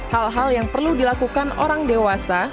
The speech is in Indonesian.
hal hal yang perlu dilakukan orang dewasa